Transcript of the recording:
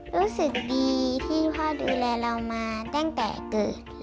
รู้สึกดีที่พ่อดูแลเรามาตั้งแต่เกิด